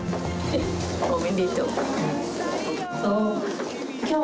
おめでとう。